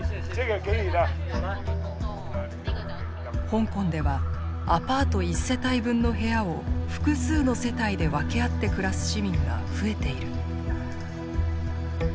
香港ではアパート１世帯分の部屋を複数の世帯で分け合って暮らす市民が増えている。